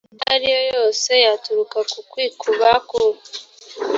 iyo ari yo yose yaturuka ku kwikuba ku